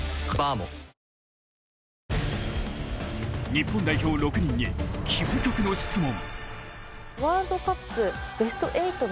日本代表６人に究極の質問。